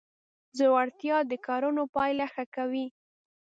زړورتیا د کړنو پایله ښه کوي.